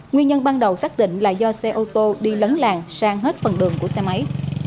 nguyên nhân ban đầu xác định là do xe ô tô đi lấn làng sang hết phần đường của xe máy